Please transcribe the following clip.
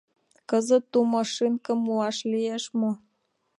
Кызыт ту машинкым муаш лиеш мо?